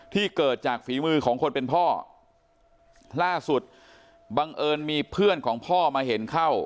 ที่เกิดจากฝีมือของคนเป็นพ่อล่าสุดบังเอิญมีเพื่อนของพ่อมาเห็นเข้า